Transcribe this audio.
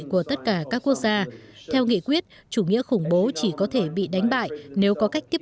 của tất cả các quốc gia theo nghị quyết chủ nghĩa khủng bố chỉ có thể bị đánh bại nếu có cách tiếp